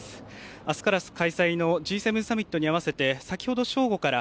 あすから開催のＧ７サミットに合わせて、先ほど正午から」